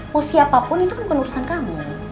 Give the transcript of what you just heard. mau siapapun itu kan bukan urusan kamu